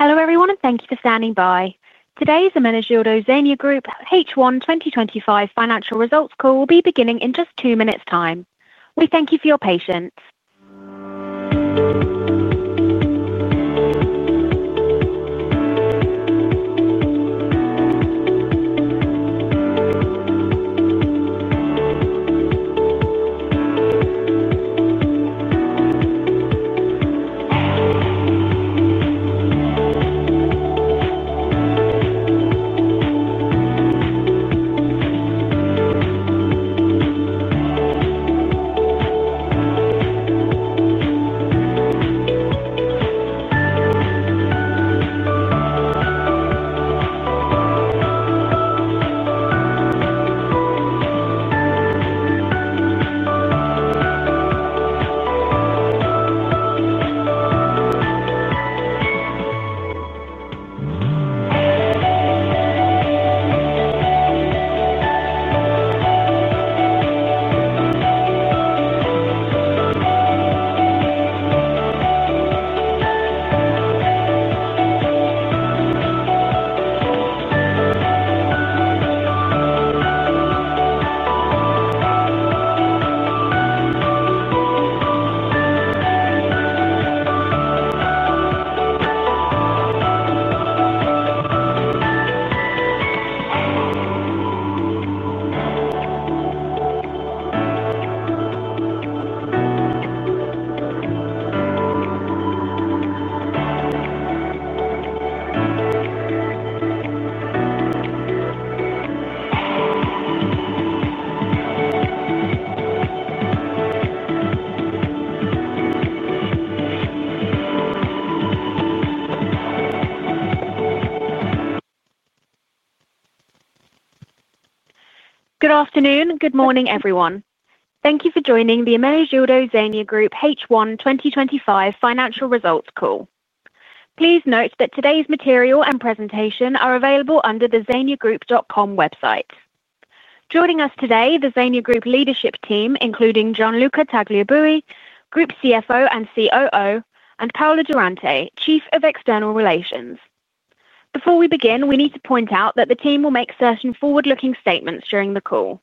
Hello everyone, and thank you for standing by. Today's Ermenegildo Zegna Group H1 2025 Financial Results Call will be beginning in just two minutes' time. We thank you for your patience. Good afternoon, good morning everyone. Thank you for joining the Ermenegildo Zegna Group H1 2025 Financial Results Call. Please note that today's material and presentation are available under the zegnagroup.com website. Joining us today, the Zegna Group leadership team, including Gianluca Tagliabue, Group CFO and COO, and Paola Durante, Chief of External Relations. Before we begin, we need to point out that the team will make certain forward-looking statements during the call.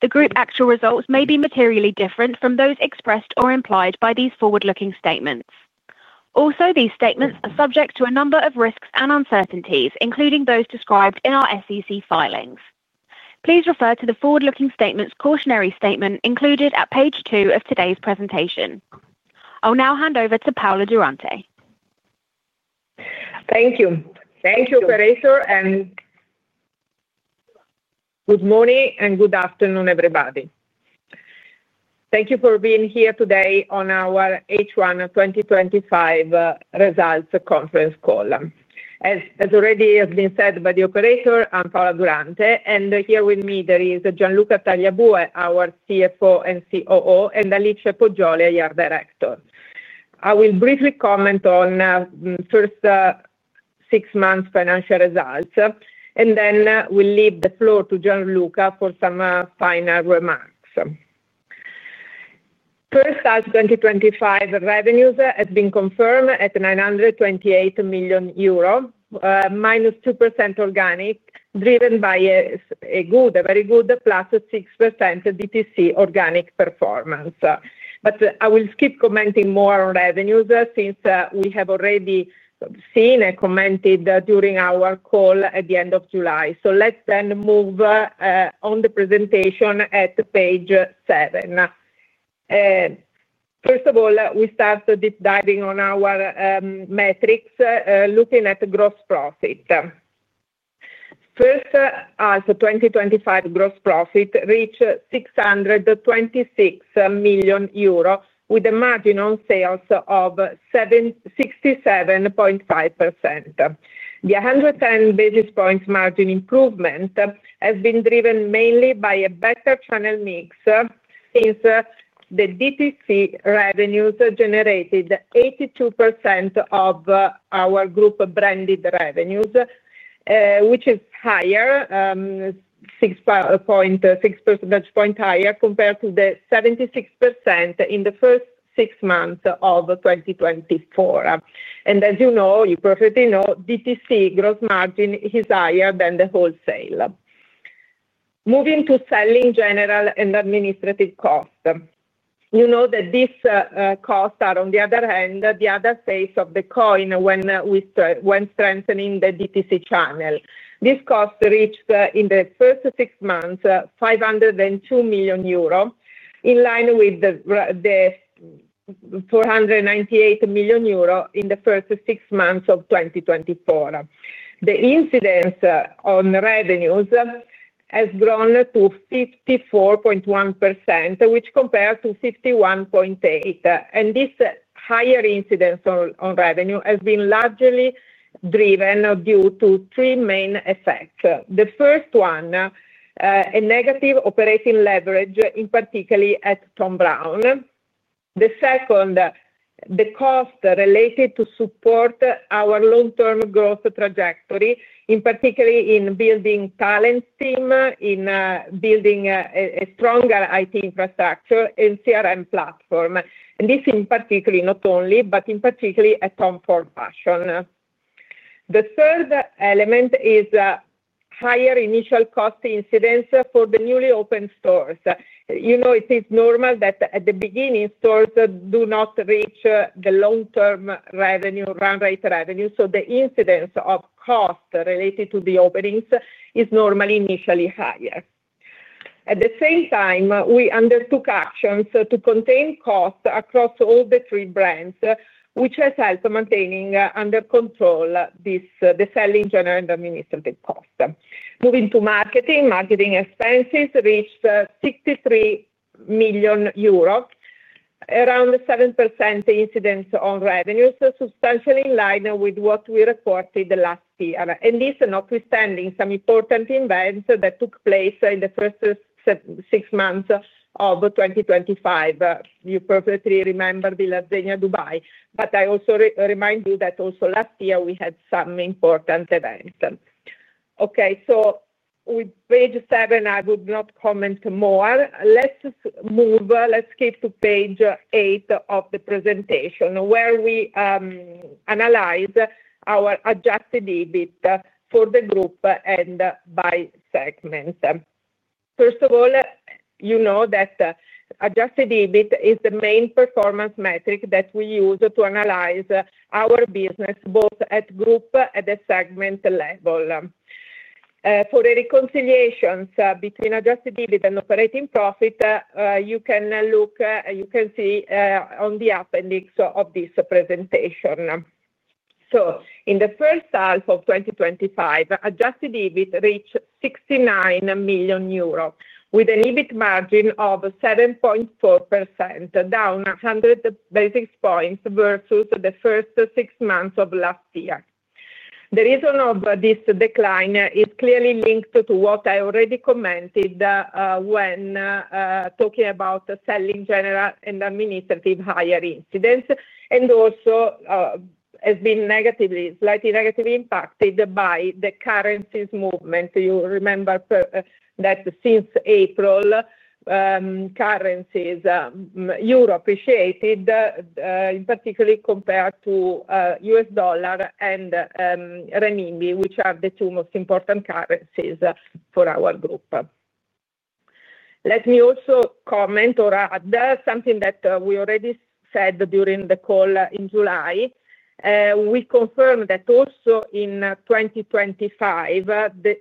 The group actual results may be materially different from those expressed or implied by these forward-looking statements. Also, these statements are subject to a number of risks and uncertainties, including those described in our SEC filings. Please refer to the forward-looking statement's cautionary statement included at page 2 of today's presentation. I'll now hand over to Paola Durante. Thank you. Thank you, operator, and good morning and good afternoon, everybody. Thank you for being here today on our H1 2025 results conference call. As already has been said by the operator, I'm Paola Durante, and here with me there is Gianluca Tagliabue, our CFO and COO, and Alice Poggioli, our Director. I will briefly comment on the first six months' financial results, and then will leave the floor to Gianluca for some final remarks. First, as 2025 revenues have been confirmed at 928 million euro, - 2% organic, driven by a good, a very good + 6% DTC organic performance. I will skip commenting more on revenues since we have already seen and commented during our call at the end of July. Let's then move on the presentation at page 7. First of all, we start deep diving on our metrics, looking at gross profit. First, as 2025 gross profit reached 626 million euro, with a margin on sales of 67.5%. The 110 basis point margin improvement has been driven mainly by a better channel mix since the DTC revenues generated 82% of our group branded revenues, which is higher, 6.6% higher compared to the 76% in the first six months of 2024. As you know, you probably know, DTC gross margin is higher than the wholesale. Moving to selling, general and administrative costs. You know that these costs are on the other end, the other face of the coin when strengthening the DTC channel. This cost reached in the first six months 502 million euro, in line with the 498 million euro in the first six months of 2024. The incidence on revenues has grown to 54.1%, which compares to 51.8%. This higher incidence on revenue has been largely driven due to three main effects. The first one, a negative operating leverage, in particular at Thom Browne. The second, the cost related to support our long-term growth trajectory, in particular in building talent team, in building a stronger IT infrastructure and CRM platform. This in particular, not only, but in particular at TOM FORD Fashion. The third element is a higher initial cost incidence for the newly opened stores. You know, it is normal that at the beginning stores do not reach the long-term run rate revenue, so the incidence of cost related to the openings is normally initially higher. At the same time, we undertook actions to contain costs across all the three brands, which has helped maintaining under control the selling, general and administrative costs. Moving to marketing, marketing expenses reached 63 million euros, around 7% incidence on revenues, substantially in line with what we reported last year. This is notwithstanding some important events that took place in the first six months of 2025. You probably remember the Villa Zegna Dubai, but I also remind you that also last year we had some important events. With page 7, I would not comment more. Let's move, let's skip to page 8 of the presentation where we analyze our adjusted EBITDA for the group and by segment. First of all, you know that adjusted EBITDA is the main performance metric that we use to analyze our business both at group and at segment level. For the reconciliations between adjusted EBITDA and operating profit, you can look, you can see on the appendix of this presentation. In the first half of 2025, adjusted EBITDA reached 69 million euro, with an EBITDA margin of 7.4%, down 100 basis points versus the first six months of last year. The reason of this decline is clearly linked to what I already commented when talking about selling general and administrative higher incidence, and also has been slightly negatively impacted by the currencies movement. You remember that since April, currencies, euro appreciated, in particular compared to U.S. dollar and renminbi, which are the two most important currencies for our group. Let me also comment or add something that we already said during the call in July. We confirmed that also in 2025,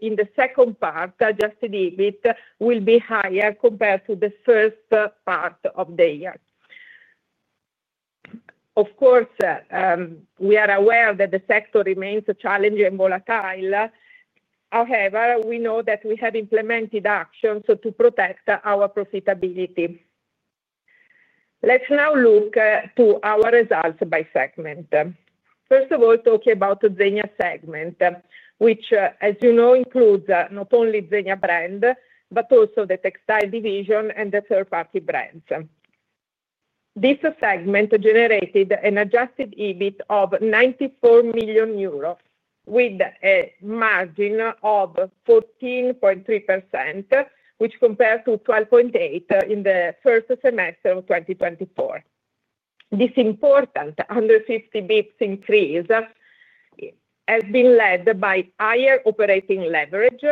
in the second part, adjusted EBITDA will be higher compared to the first part of the year. Of course, we are aware that the sector remains challenging and volatile. However, we know that we have implemented actions to protect our profitability. Let's now look at our results by segment. First of all, talking about the Zegna segment, which as you know includes not only Zegna brand, but also the textile division and the third-party brands. This segment generated an adjusted EBITDA of 94 million euros, with a margin of 14.3%, which compares to 12.8% in the first semester of 2024. This important 150 basis increase has been led by higher operating leverage,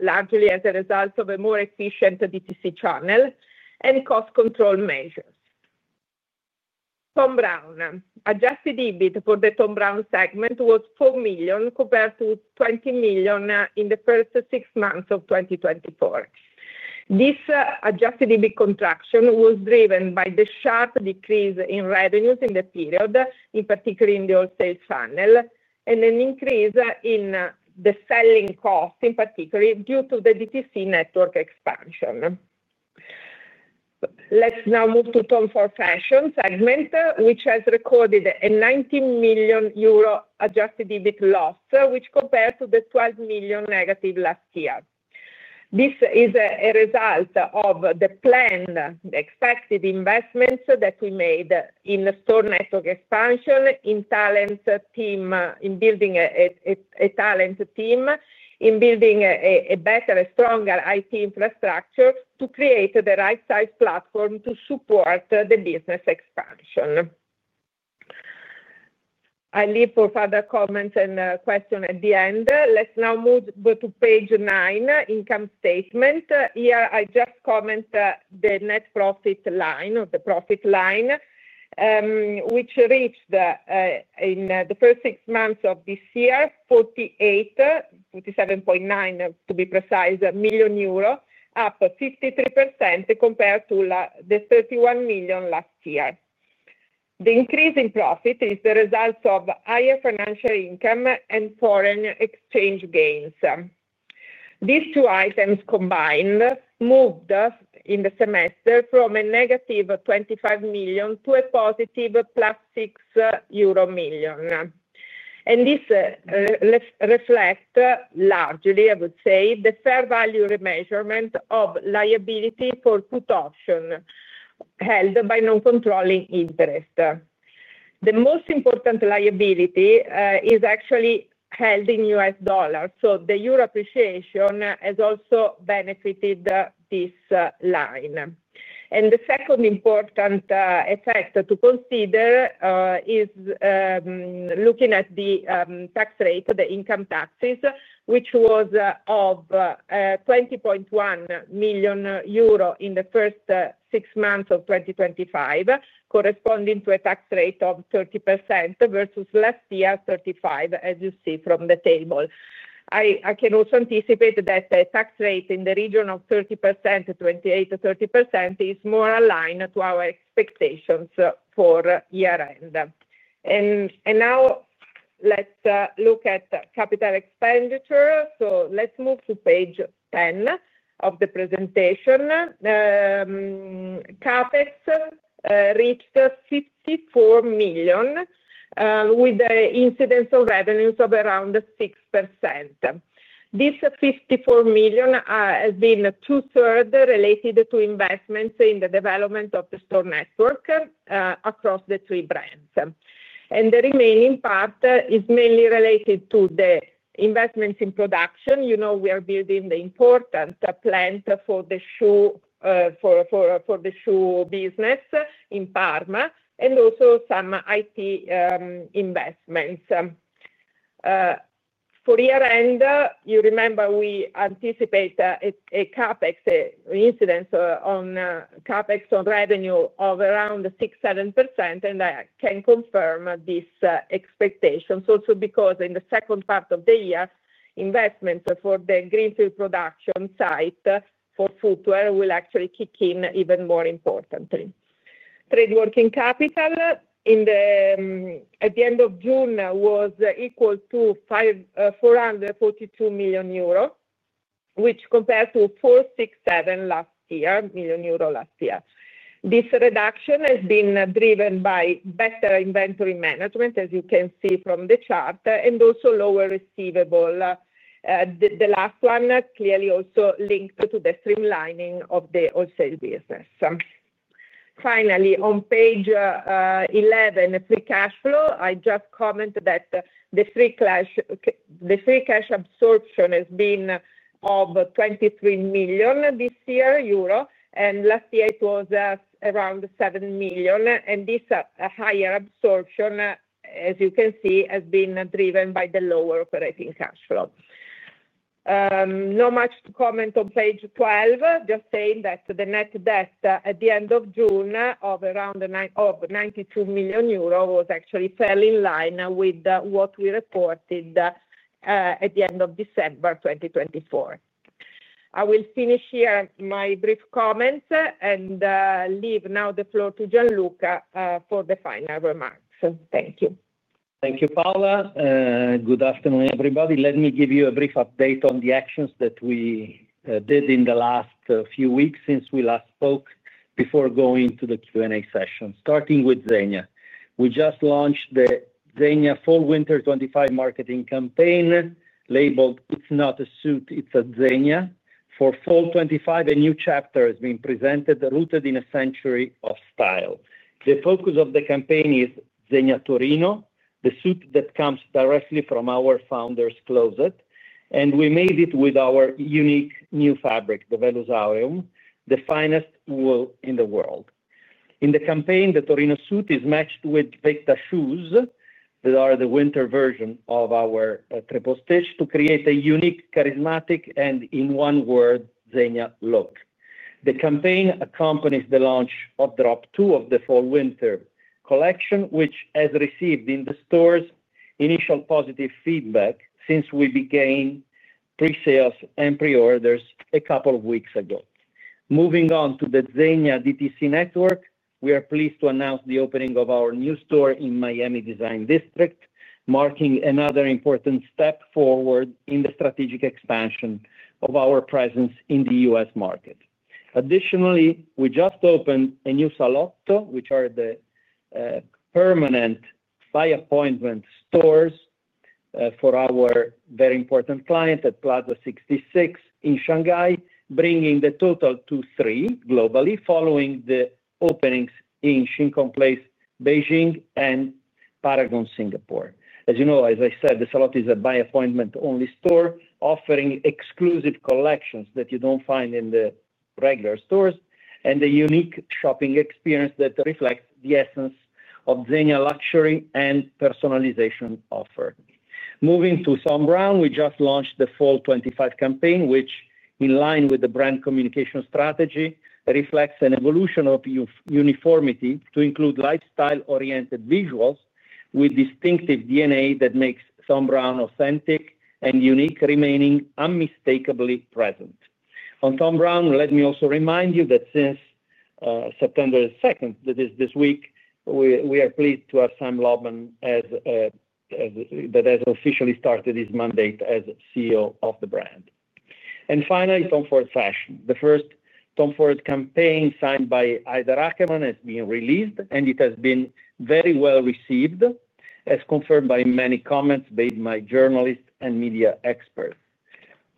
largely as a result of a more efficient DTC channel and cost control measures. Thom Browne, adjusted EBITDA for the Thom Browne segment was 4 million compared to 20 million in the first six months of 2024. This adjusted EBITDA contraction was driven by the sharp decrease in revenues in the period, in particular in the wholesale channel, and an increase in the selling cost, in particular due to the DTC network expansion. Let's now move to TOM FORD Fashion segment, which has recorded a 90 million euro adjusted EBITDA loss, which compared to the 12 million negative last year. This is a result of the planned, the expected investments that we made in the store network expansion, in talent team, in building a talent team, in building a better, stronger IT infrastructure to create the right-sized platform to support the business expansion. I leave for further comments and questions at the end. Let's now move to page 9, income statement. Here, I just comment the net profit line or the profit line, which reached in the first six months of this year 48 million, 47.9 million to be precise, up 53% compared to the 31 million last year. The increase in profit is the result of higher financial income and foreign exchange gains. These two items combined moved in the semester from a EUR - 25 million to a positive EUR + 6 million. This reflects largely, I would say, the fair value remeasurement of liability for put option held by non-controlling interest. The most important liability is actually held in U.S. dollars, so the euro appreciation has also benefited this line. The second important effect to consider is looking at the tax rate, the income taxes, which was 20.1 million euro in the first six months of 2025, corresponding to a tax rate of 30% versus last year 35%, as you see from the table. I can also anticipate that a tax rate in the region of 30%, 28%- 30% is more aligned to our expectations for year-end. Now let's look at capital expenditure. Let's move to page 10 of the presentation. CapEx reached 54 million, with an incidence of revenues of around 6%. This 54 million has been 2/3 related to investments in the development of the store network across the three brands. The remaining part is mainly related to the investments in production. You know we are building the important plant for the shoe business in Parma and also some IT investments. For year-end, you remember we anticipate a CapEx incidence on revenue of around 6%, 7%, and I can confirm these expectations also because in the second part of the year, investment for the Greenfield production site for footwear will actually kick in even more importantly. Trade working capital at the end of June was equal to 442 million euros, which compared to 467 million euro last year. This reduction has been driven by better inventory management, as you can see from the chart, and also lower receivable. The last one clearly also linked to the streamlining of the wholesale business. Finally, on page 11, free cash flow, I just commented that the free cash absorption has been of 23 million this year, and last year it was around 7 million. This higher absorption, as you can see, has been driven by the lower operating cash flow. Not much to comment on page 12, just saying that the net debt at the end of June of around 92 million euro was actually fairly in line with what we reported at the end of December 2024. I will finish here my brief comments and leave now the floor to Gianluca for the final remarks. Thank you. Thank you, Paola. Good afternoon, everybody. Let me give you a brief update on the actions that we did in the last few weeks since we last spoke before going to the Q&A session. Starting with Zegna. We just launched the Zegna Fall-Winter 2025 campaign labeled "It's not a suit, it's a Zegna." For Fall 2025, a new chapter has been presented, rooted in a century of style. The focus of the campaign is Zegna Torino, the suit that comes directly from our founder's closet. We made it with our unique new fabric, the Vellus Aureum, the finest wool in the world. In the campaign, the Torino suit is matched with [Pecta] shoes that are the winter version of our Triple Stitch to create a unique, charismatic, and in one word, Zegna look. The campaign accompanies the launch of drop two of the Fall-Winter collection, which has received in the stores initial positive feedback since we began pre-sales and pre-orders a couple of weeks ago. Moving on to the Zegna DTC network, we are pleased to announce the opening of our new store in Miami Design District, marking another important step forward in the strategic expansion of our presence in the U.S. market. Additionally, we just opened a new Salotto, which are the permanent by-appointment stores for our very important client at Plaza 66 in Shanghai, bringing the total to three globally, following the openings in Shin Kong Place, Beijing, and Paragon, Singapore. As you know, as I said, the Salotto is a by-appointment-only store offering exclusive collections that you don't find in the regular stores and a unique shopping experience that reflects the essence of Zegna luxury and personalization offering. Moving to Thom Browne, we just launched the Fall 2025 campaign, which, in line with the brand communication strategy, reflects an evolution of uniformity to include lifestyle-oriented visuals with distinctive DNA that makes Thom Browne authentic and unique, remaining unmistakably present. On Thom Browne, let me also remind you that since September 2nd, that is this week, we are pleased to have Sam Lobban as he has officially started his mandate as CEO of the brand. Finally, TOM FORD Fashion. The first TOM FORD campaign signed by Ida Rachman has been released and it has been very well received, as confirmed by many comments made by journalists and media experts.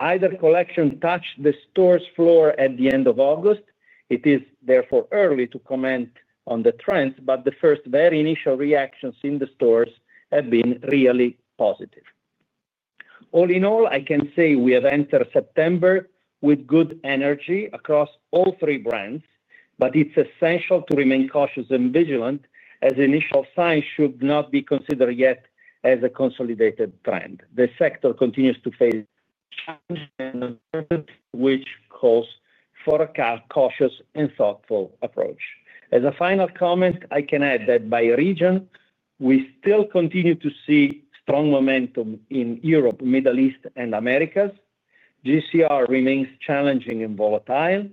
The collection touched the store's floor at the end of August. It is therefore early to comment on the trends, but the first very initial reactions in the stores have been really positive. All in all, I can say we have entered September with good energy across all three brands, but it's essential to remain cautious and vigilant as initial signs should not be considered yet as a consolidated trend. The sector continues to face challenges and uncertainty, which calls for a cautious and thoughtful approach. As a final comment, I can add that by region, we still continue to see strong momentum in Europe, Middle East, and Americas. GCR remains challenging and volatile.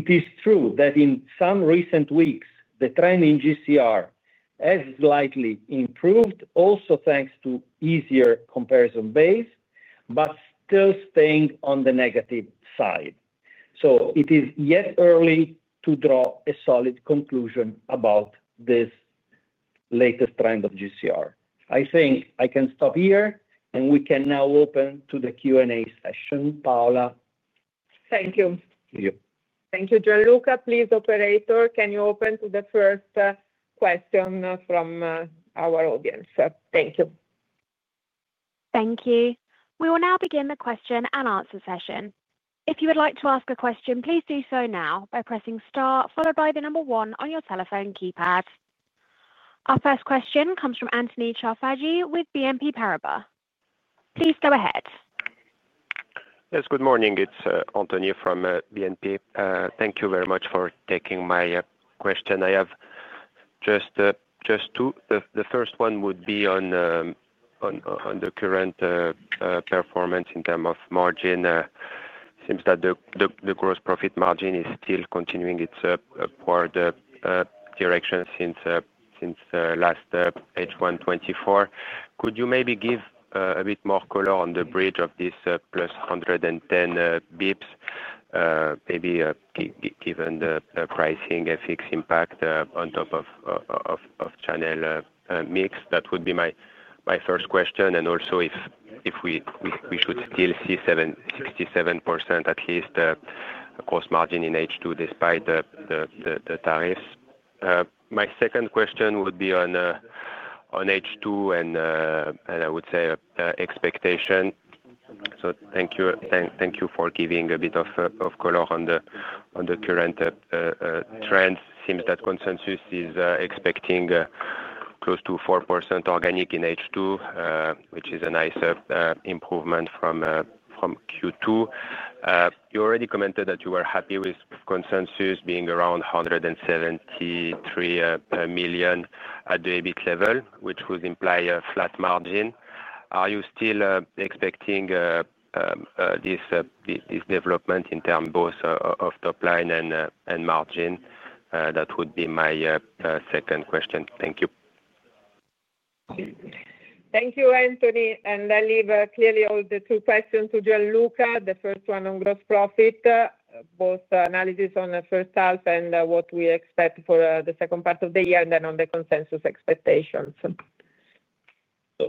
It is true that in some recent weeks, the trend in GCR has slightly improved, also thanks to easier comparison base, but still staying on the negative side. It is yet early to draw a solid conclusion about this latest trend of GCR. I think I can stop here and we can now open to the Q&A session. Paola. Thank you. Thank you, Gianluca. Please, operator, can you open to the first question from our audience? Thank you. Thank you. We will now begin the question and answer session. If you would like to ask a question, please do so now by pressing STAR followed by the number one on your telephone keypad. Our first question comes from Anthony Charchafji with BNP Paribas. Please go ahead. Yes, good morning. It's Anthony from BNP. Thank you very much for taking my question. I have just two. The first one would be on the current performance in terms of margin. It seems that the gross profit margin is still continuing its poor direction since last H1 2024. Could you maybe give a bit more color on the bridge of this + 110 bps? Maybe given the pricing effects impact on top of channel mix, that would be my first question. Also, if we should still see 67% at least gross margin in H2 despite the tariffs. My second question would be on H2 and I would say expectation. Thank you for giving a bit of color on the current trends. It seems that consensus is expecting close to 4% organic in H2, which is a nice improvement from Q2. You already commented that you were happy with consensus being around 173 million at the EBIT level, which would imply a flat margin. Are you still expecting this development in terms of both top line and margin? That would be my second question. Thank you. Thank you, Anthony. I leave clearly all the two questions to Gianluca. The first one on gross profit, both analysis on the first half and what we expect for the second part of the year, and then on the consensus expectations.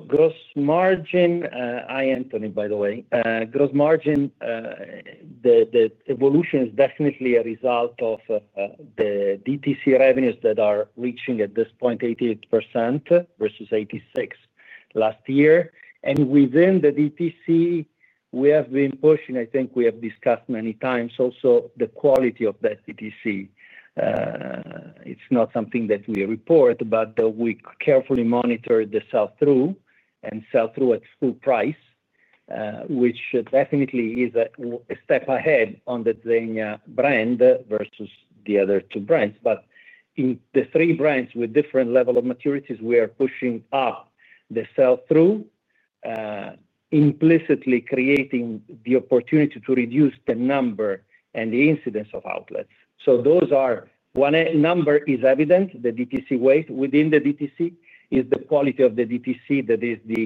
Gross margin, hi, Anthony, by the way. Gross margin, the evolution is definitely a result of the DTC revenues that are reaching at this point 88% versus 86% last year. Within the DTC, we have been pushing, I think we have discussed many times also the quality of that DTC. It's not something that we report, but we carefully monitor the sell-through and sell-through at full price, which definitely is a step ahead on the Zegna brand versus the other two brands. In the three brands with different levels of maturities, we are pushing up the sell-through, implicitly creating the opportunity to reduce the number and the incidence of outlets. One number is evident, the DTC weight. Within the DTC is the quality of the DTC that is the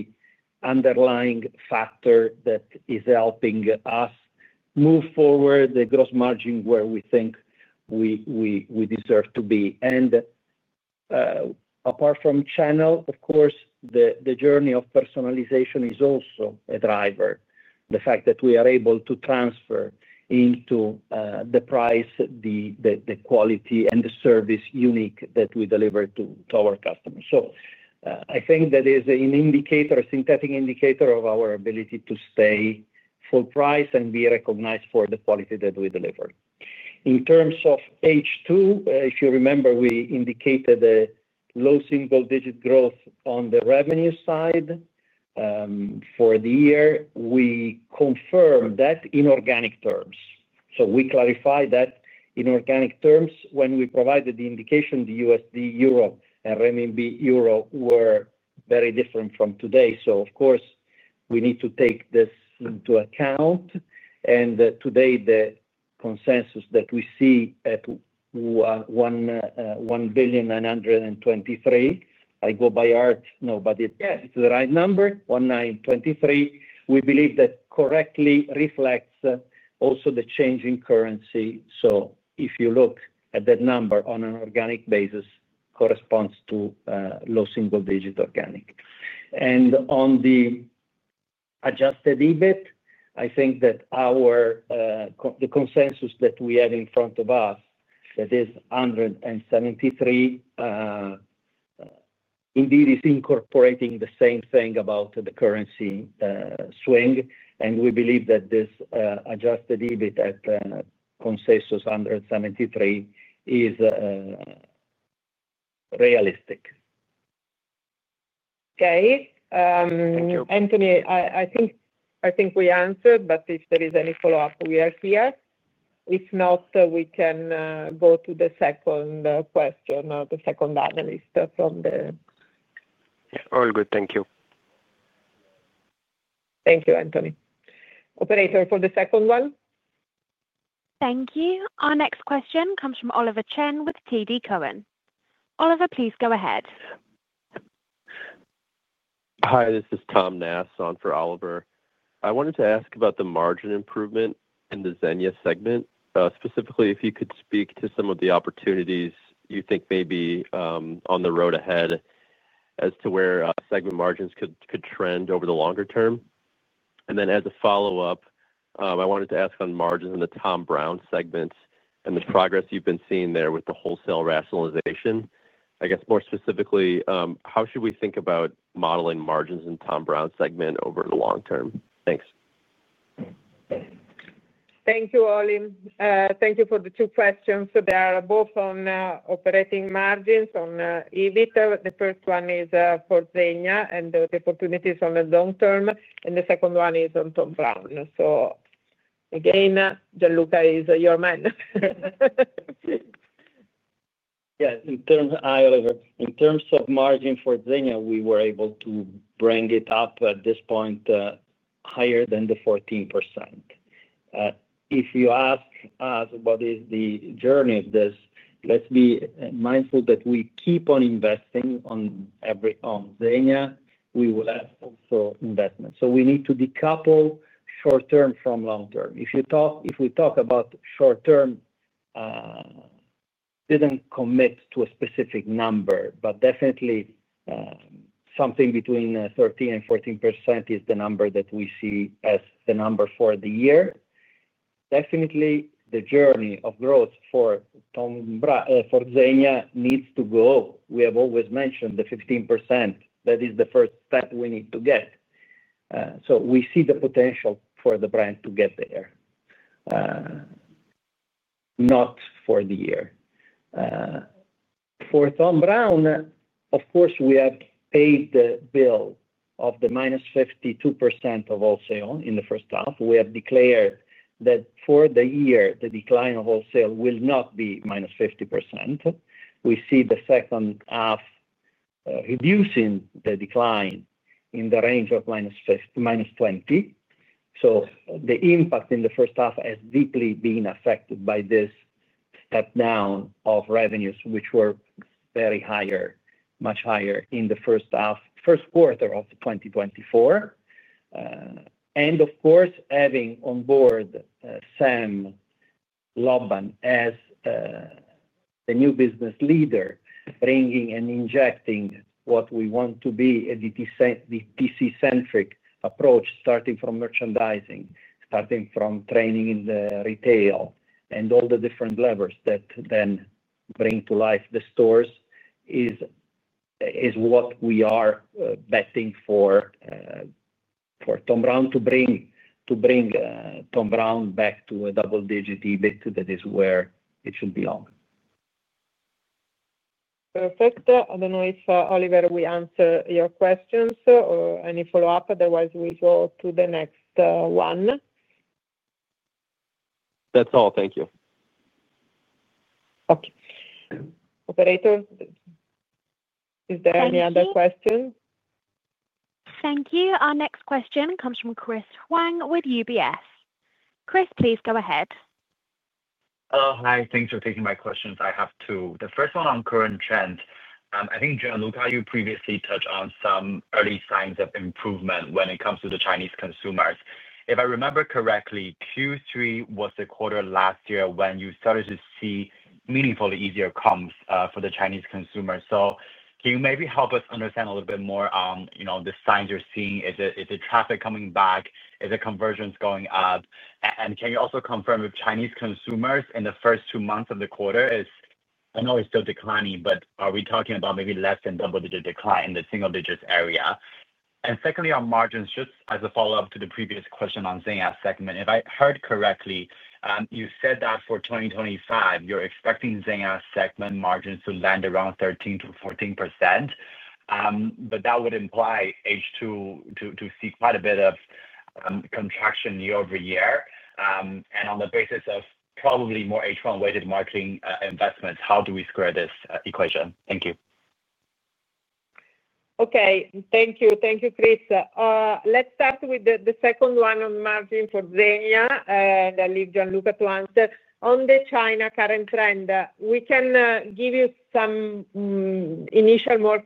underlying factor that is helping us move forward the gross margin where we think we deserve to be. Apart from channel, the journey of personalization is also a driver. The fact that we are able to transfer into the price, the quality, and the service unique that we deliver to our customers. I think that is an indicator, a synthetic indicator of our ability to stay full price and be recognized for the quality that we deliver. In terms of H2, if you remember, we indicated a low single-digit growth on the revenue side for the year. We confirmed that in organic terms. We clarified that in organic terms, when we provided the indication, the USD euro and renminbi euro were very different from today. We need to take this into account. Today, the consensus that we see at 1.923 billion, I go by art, no, but it's the right number, 1.923 billion. We believe that correctly reflects also the changing currency. If you look at that number on an organic basis, it corresponds to low single-digit organic. On the adjusted EBIT, I think that our consensus that we have in front of us, that is 173 million, indeed is incorporating the same thing about the currency swing. We believe that this adjusted EBIT at consensus 173 million is realistic. Okay. Anthony, I think we answered, but if there is any follow-up, we are here. If not, we can go to the second question or the second analyst from the... Yeah, all good. Thank you. Thank you, Anthony. Operator, for the second one? Thank you. Our next question comes from Oliver Chen with TD Cowen. Oliver, please go ahead. Hi, this is Tom Nass on for Oliver. I wanted to ask about the margin improvement in the Zegna segment. Specifically, if you could speak to some of the opportunities you think may be on the road ahead as to where segment margins could trend over the longer term. As a follow-up, I wanted to ask on margins in the Thom Browne segment and the progress you've been seeing there with the wholesale rationalization. I guess more specifically, how should we think about modeling margins in the Thom Browne segment over the long term? Thanks. Thank you, Oli. Thank you for the two questions. They are both on operating margins on EBIT. The first one is for Zegna and the opportunities on the long term, and the second one is on Thom Browne. Again, Gianluca is your man. Yeah, in terms, hi, Oliver. In terms of margin for Zegna, we were able to bring it up at this point higher than the 14%. If you ask us what is the journey of this, let's be mindful that we keep on investing on Zegna. We will have also investments. We need to decouple short term from long term. If you talk, if we talk about short term, didn't commit to a specific number, but definitely something between 13% and 14% is the number that we see as the number for the year. Definitely, the journey of growth for Zegna needs to go. We have always mentioned the 15%. That is the first step we need to get. We see the potential for the brand to get there, not for the year. For Thom Browne, of course, we have paid the bill of the - 52% of wholesale in the first half. We have declared that for the year, the decline of wholesale will not be - 50%. We see the second half reducing the decline in the range of - 20%. The impact in the first half has deeply been affected by this step down of revenues, which were very higher, much higher in the first half, first quarter of 2024. Of course, having on board Sam Lobban as the new business leader, bringing and injecting what we want to be a DTC-centric approach, starting from merchandising, starting from training in the retail, and all the different levers that then bring to life the stores is what we are betting for Thom Browne to bring Thom Browne back to a double-digit EBIT that is where it should belong. Perfect. I don't know if Oliver, we answered your questions or any follow-up. Otherwise, we'll go to the next one. That's all. Thank you. Okay. Operator, is there any other question? Thank you. Our next question comes from Chris Huang with UBS. Chris, please go ahead. Oh, hi. Thanks for taking my questions. I have two. The first one on current trends. I think, Gianluca, you previously touched on some early signs of improvement when it comes to the Chinese consumers. If I remember correctly, Q3 was the quarter last year when you started to see meaningfully easier comps for the Chinese consumers. Can you maybe help us understand a little bit more on the signs you're seeing? Is it traffic coming back? Is it conversions going up? Can you also confirm with Chinese consumers in the first two months of the quarter? I know it's still declining, but are we talking about maybe less than double-digit decline in the single-digit area? Secondly, on margin shifts, as a follow-up to the previous question on Zegna segment, if I heard correctly, you said that for 2025, you're expecting Zegna segment margins to land around 13%- 14%. That would imply H2 to see quite a bit of contraction year over year. On the basis of probably more H1 weighted margin investments, how do we square this equation? Thank you. Okay. Thank you. Thank you, Chris. Let's start with the second one on margin for Zegna. I leave Gianluca to answer. On the China current trend, we can give you some initial more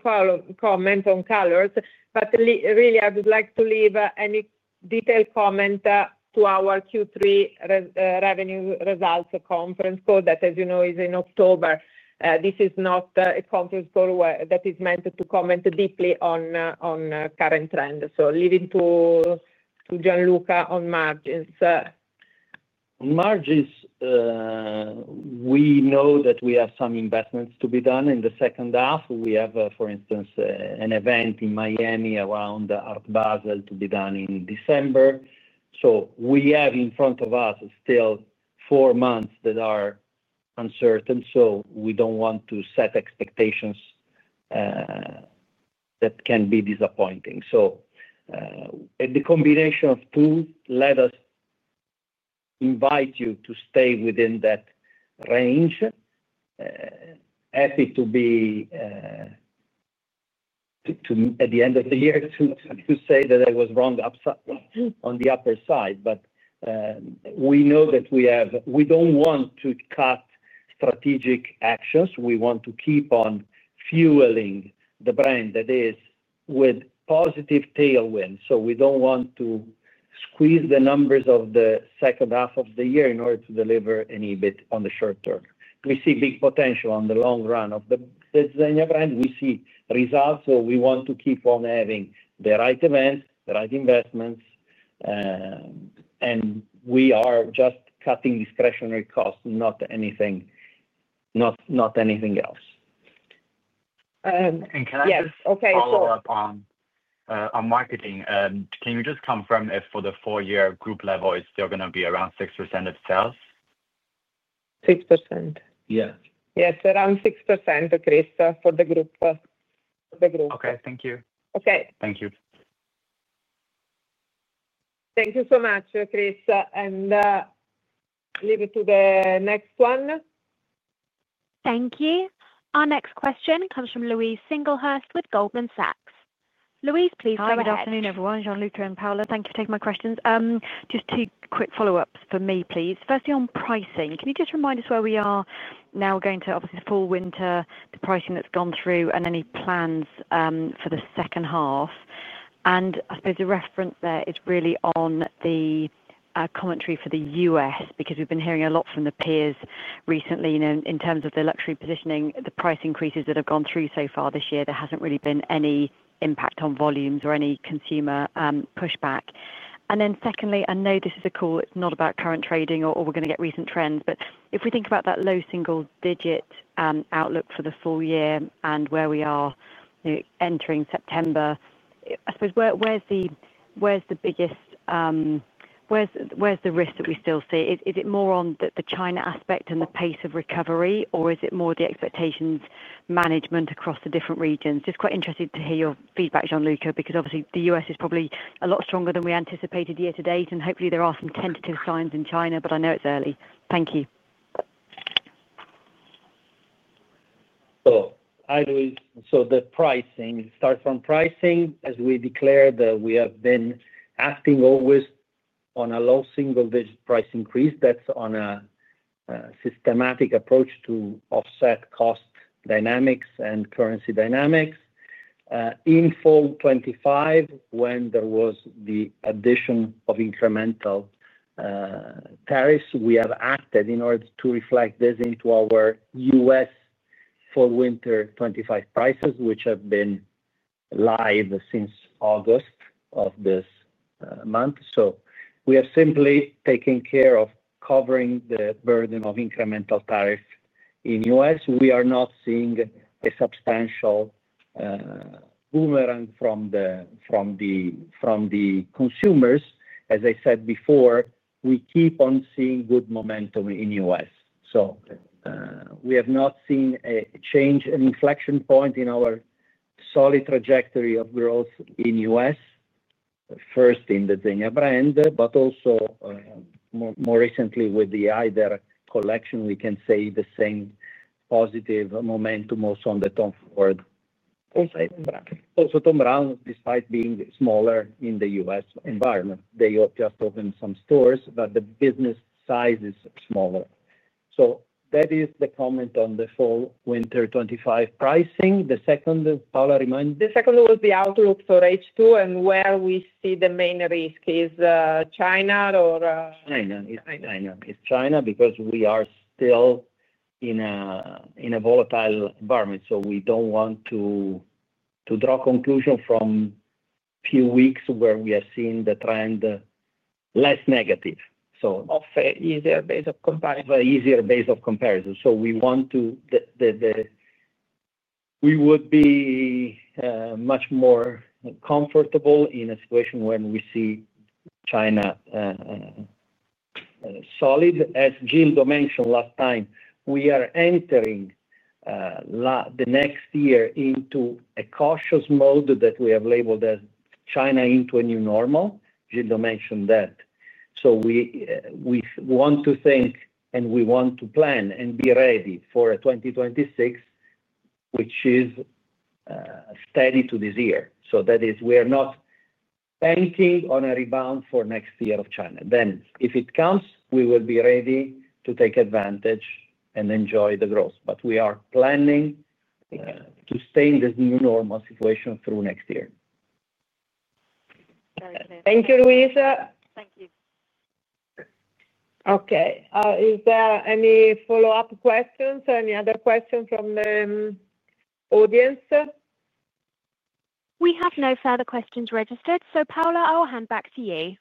comments on colors, but really, I would like to leave any detailed comment to our Q3 revenue results conference call that, as you know, is in October. This is not a conference call that is meant to comment deeply on current trends. Leaving to Gianluca on margins. On margins, we know that we have some investments to be done in the second half. We have, for instance, an event in Miami around Art Basel to be done in December. We have in front of us still four months that are uncertain. We don't want to set expectations that can be disappointing. The combination of the two lets us invite you to stay within that range, effort to be at the end of the year to say that I was wrong on the upper side. We know that we have, we don't want to cut strategic actions. We want to keep on fueling the brand that is with positive tailwind. We don't want to squeeze the numbers of the second half of the year in order to deliver any bit on the short term. We see big potential on the long run of the Zegna brand. We see results. We want to keep on having the right events, the right investments. We are just cutting discretionary costs, not anything else. Can I just follow up on marketing? Can you just confirm if for the full-year group level, it's still going to be around 6% of sales? 6%? Yeah. Yeah, it's around 6%, Chris, for the group. Okay. Thank you. Okay. Thank you. Thank you so much, Chris. I'll leave it to the next one. Thank you. Our next question comes from Louise Singlehurst with Goldman Sachs. Louise, please go ahead. Good afternoon, everyone. Gianluca and Paola, thank you for taking my questions. Just two quick follow-ups for me, please. Firstly, on pricing, can you just remind us where we are now going to obviously the Fall-Winter, the pricing that's gone through, and any plans for the second half? I suppose the reference there is really on the commentary for the U.S. because we've been hearing a lot from the peers recently in terms of the luxury positioning, the price increases that have gone through so far this year. There hasn't really been any impact on volumes or any consumer pushback. Secondly, I know this is a call. It's not about current trading or we're going to get recent trends, but if we think about that low single-digit outlook for the full year and where we are entering September, I suppose where's the biggest risk that we still see? Is it more on the China aspect and the pace of recovery, or is it more the expectations management across the different regions? Quite interested to hear your feedback, Gianluca, because obviously the U.S. is probably a lot stronger than we anticipated year to date. Hopefully, there are some tentative signs in China, but I know it's early. Thank you. Hi, Louise. The pricing starts from pricing. As we declared, we have been asking always on a low single-digit price increase. That's on a systematic approach to offset cost dynamics and currency dynamics. In Fall 2025, when there was the addition of incremental tariffs, we have acted in order to reflect this into our U.S. Fall-Winter 2025 prices, which have been live since August of this month. We are simply taking care of covering the burden of incremental tariffs in the U.S. We are not seeing a substantial boomerang from the consumers. As I said before, we keep on seeing good momentum in the U.S. We have not seen a change, an inflection point in our solid trajectory of growth in the U.S., first in the Zegna brand, but also more recently with the IDAR collection. We can say the same positive momentum also on the TOM FORD. Thom Browne, despite being smaller in the U.S. environment, just opened some stores, but the business size is smaller. That is the comment on the Fall-Winter 2025 pricing. The second, Paola, remind. The second was the outlook for H2 and where we see the main risk is China, or? It's China. It's China because we are still in a volatile environment, so we don't want to draw conclusions from a few weeks where we are seeing the trend less negative. Offer easier base of comparison. Offer easier base of comparison. We would be much more comfortable in a situation when we see China solid. As Gildo mentioned last time, we are entering the next year into a cautious mode that we have labeled as China into a new normal. Gildo mentioned that. We want to think and we want to plan and be ready for 2026, which is steady to this year. That is, we are not banking on a rebound for the next year of China. If it comes, we will be ready to take advantage and enjoy the growth. We are planning to stay in this new normal situation through next year. Thank you, Louise. Thank you. Okay. Are there any follow-up questions or any other questions from the audience? We have no further questions registered. Paola, I'll hand back to you.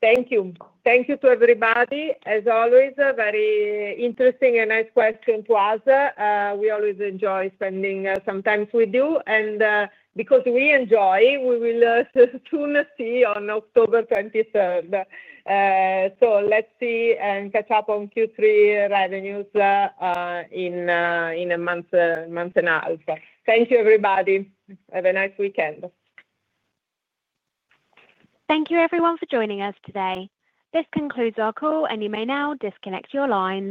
Thank you. Thank you to everybody. As always, a very interesting and nice question to us. We always enjoy spending some time with you because we enjoy, we will soon see on October 23rd. Let's see and catch up on Q3 revenues in a month and a half. Thank you, everybody. Have a nice weekend. Thank you, everyone, for joining us today. This concludes our call, and you may now disconnect your line.